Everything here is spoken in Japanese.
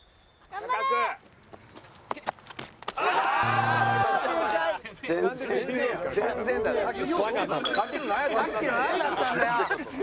さっきのなんだったんだよ！